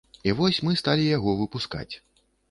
І вось, мы сталі яго выпускаць.